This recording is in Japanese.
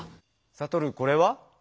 サトルこれは？